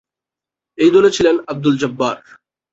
এই দলে ছিলেন আবদুল জব্বার।